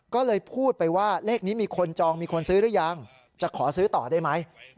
ก็เลยพูดไปว่าเลขนี้มีคนจองมีคนซื้อหรือยังจะขอซื้อต่อได้ไหม